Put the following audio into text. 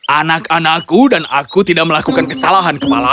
anak anakku dan aku tidak melakukan kesalahan kepala